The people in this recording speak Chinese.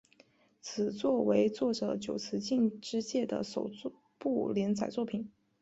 此作为作者久慈进之介的首部连载作品。